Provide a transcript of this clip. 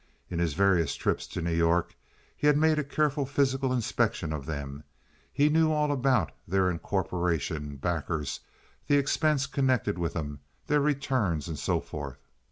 In his various trips to New York he had made a careful physical inspection of them. He knew all about their incorporation, backers, the expense connected with them, their returns, and so forth.